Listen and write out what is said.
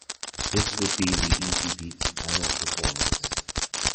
This would be The Easybeats final performance.